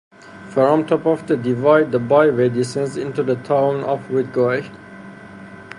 From top of the divide the byway descends into the town of Ridgway.